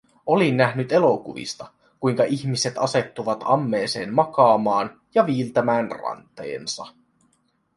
Olin nähnyt elokuvista, kuinka ihmiset asettautuvat ammeeseen makaamaan ja viiltämään ranteensa.